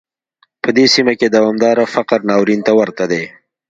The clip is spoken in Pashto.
په دې سیمه کې دوامداره فقر ناورین ته ورته دی.